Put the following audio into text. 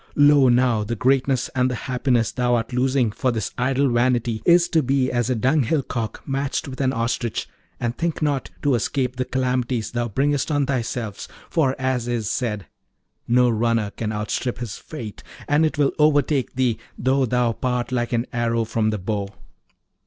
Lo, now, the greatness and the happiness thou art losing for this idle vanity is to be as a dunghill cock matched with an ostrich; and think not to escape the calamities thou bringest on thyself, for as is said, No runner can outstrip his fate; and it will overtake thee, though thou part like an arrow from the bow.'